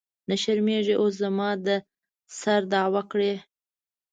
نه شرمېږې اوس زما د سر دعوه کړې.